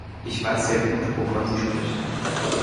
Ich weiß sehr gut, wovon Sie sprechen.